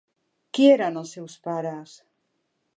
Qui eren els seus pares?